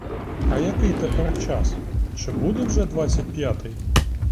А який тепер час, чи буде вже двадцять п'ятий?